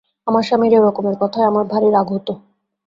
আমার স্বামীর এইরকমের কথায় আমার ভারি রাগ হত।